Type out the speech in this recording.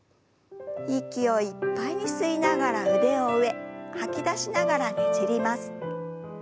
息をいっぱいに吸いながら腕を上吐き出しながらねじります。